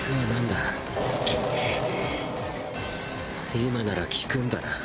今なら効くんだな？